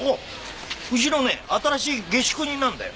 うちのね新しい下宿人なんだよ。